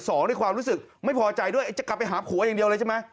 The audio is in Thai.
ด้วยความรู้สึกไม่พอใจด้วยจะกลับไปหาผัวอย่างเดียวเลยใช่ไหม